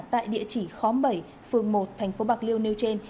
tại địa chỉ khóm bảy phường một tp bạc liêu nêu trên